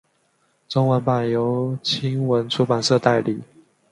中文版由青文出版社代理。